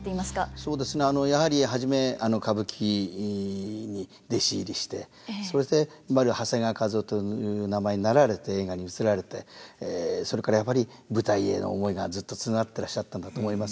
そうですねやはり初め歌舞伎に弟子入りしてそして今の長谷川一夫という名前になられて映画に移られてそれからやっぱり舞台への思いがずっとつながってらっしゃったんだと思いますね。